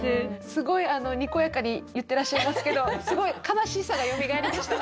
すごいにこやかに言ってらっしゃいますけどすごい悲しさがよみがえりました。